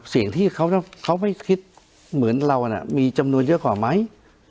สิ่งที่เขาไม่คิดเหมือนเรามีจำนวนเยอะกว่าไหม